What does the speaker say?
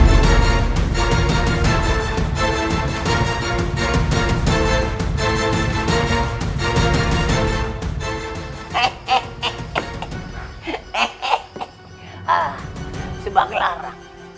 eh agak claran